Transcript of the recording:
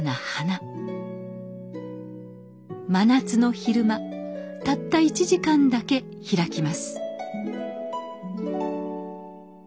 真夏の昼間たった１時間だけ開きます。